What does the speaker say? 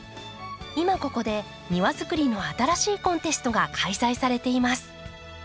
今ここで庭づくりの新しいコンテストが開催されています。